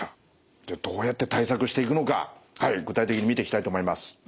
じゃあどうやって対策していくのか具体的に見ていきたいと思います。